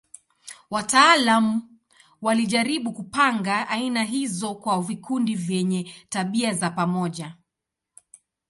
Wataalamu walijaribu kupanga aina hizo kwa vikundi vyenye tabia za pamoja.